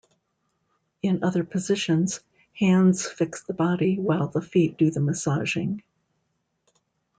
In other positions, hands fix the body, while the feet do the massaging.